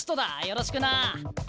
よろしくな。